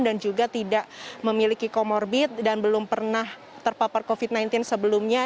dan juga tidak memiliki comorbid dan belum pernah terpapar covid sembilan belas sebelumnya